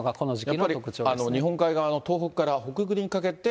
やっぱり日本海側の東北から北陸にかけて、